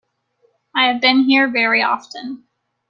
I have been here very often.